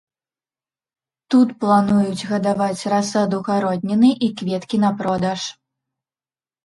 Тут плануюць гадаваць расаду гародніны і кветкі на продаж.